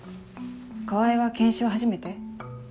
川合は検視は初めて？